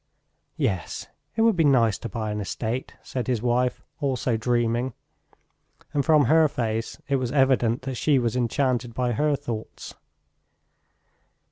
"Yes, it would be nice to buy an estate," said his wife, also dreaming, and from her face it was evident that she was enchanted by her thoughts.